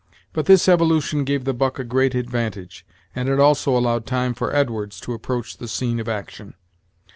But this evolution gave the buck a great advantage; and it also allowed time for Edwards to approach the scene of action.